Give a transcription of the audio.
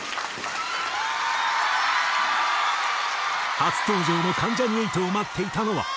初登場の関ジャニ∞を待っていたのは。